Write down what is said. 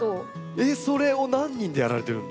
えっそれを何人でやられてるんですか？